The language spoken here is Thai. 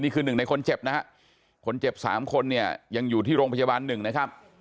หนึ่งในคนเจ็บนะฮะคนเจ็บสามคนเนี่ยยังอยู่ที่โรงพยาบาลหนึ่งนะครับ